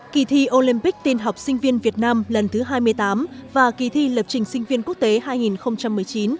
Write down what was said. kỳ thi olympic tiên học sinh viên việt nam lần thứ hai mươi tám và kỳ thi lập trình sinh viên quốc tế hai nghìn một mươi chín